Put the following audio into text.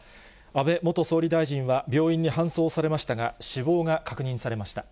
安倍元総理大臣は病院に搬送されましたが、死亡が確認されました。